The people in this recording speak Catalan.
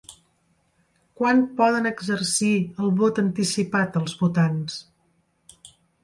Quan poden exercir el vot anticipat els votants?